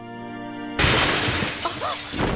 あっ！